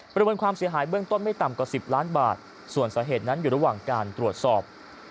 บริเวณความเสียหายเบื้องต้นไม่ต่ำกว่า๑๐ล้านบาทส่วนสาเหตุนั้นอยู่ระหว่างการตรวจสอบ